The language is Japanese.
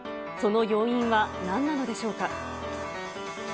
その要因はなんなのでしょうか。